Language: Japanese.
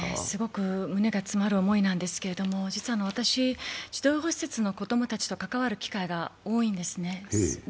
すごく胸が詰まる思いなんですけれども、実は私、児童養護施設の子供たちと関わることが多いんですす。